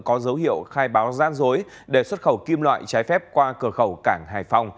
có dấu hiệu khai báo gian dối để xuất khẩu kim loại trái phép qua cửa khẩu cảng hải phòng